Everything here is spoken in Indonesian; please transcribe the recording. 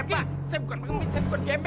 eh pak saya bukan emis saya bukan gembel